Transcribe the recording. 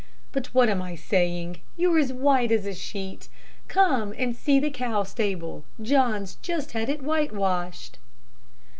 But what am I saying? you're as white as a sheet. Come and see the cow stable. John's just had it whitewashed."